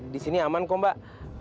disini aman kok mbak